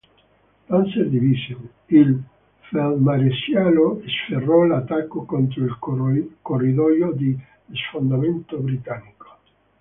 Panzer-Division, il feldmaresciallo sferrò l'attacco contro il corridoio di sfondamento britannico.